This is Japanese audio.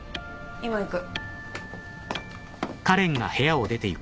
・今行く。